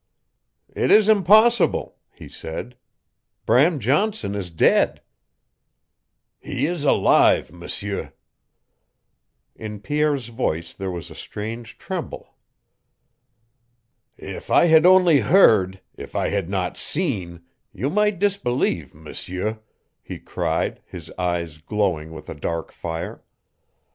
"It is impossible," he said. "Bram Johnson is dead!" "He is alive, M'sieu." In Pierre's voice there was a strange tremble. "If I had only HEARD, if I had not SEEN, you might disbelieve, M'sieu," he cried, his eyes glowing with a dark fire.